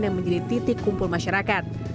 yang menjadi titik kumpul masyarakat